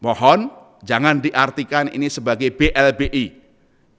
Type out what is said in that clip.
mohon jangan diartikan ini sebagai bail out